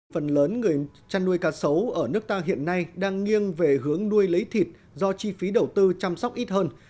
phần lớn người chăn nuôi cá sấu ở nước ta hiện nay đang nghiêng về hướng nuôi lấy thịt do chi phí đầu tư chăm sóc ít hơn